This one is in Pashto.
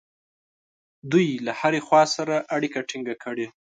دوی له هرې خوا سره اړیکه ټینګه کړي.